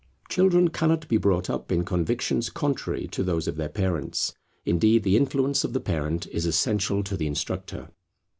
Children cannot be brought up in convictions contrary to those of their parents; indeed, the influence of the parent is essential to the instructor.